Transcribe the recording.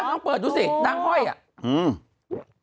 อ้าวนางห้อยเลยอ้าวนั่งเปิดดูสิ